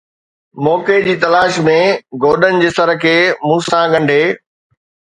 موقعي جي تلاش ۾ گوڏن جي سر کي مون سان ڳنڍي